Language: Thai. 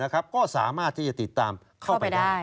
ก็สามารถที่จะติดตามเข้าไปได้